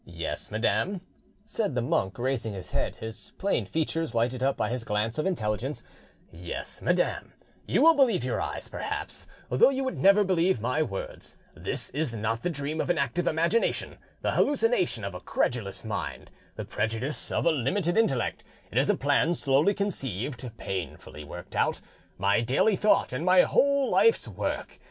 "Yes, madam," said the monk, raising his head, his plain features lighted up by his glance of intelligence—"yes, madam, you will believe your eyes, perhaps, though you would never believe my words: this is not the dream of an active imagination, the hallucination of a credulous mind, the prejudice of a limited intellect; it is a plan slowly conceived, painfully worked out, my daily thought and my whole life's work.